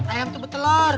ayam itu betelor